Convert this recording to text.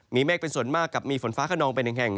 มีเมฆเป็นส่วนมากกับมีฝนฟ้าขนองเป็นหนึ่งแห่ง